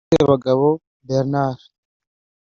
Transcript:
Sebagabo Bernard